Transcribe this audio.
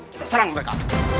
kita serang mereka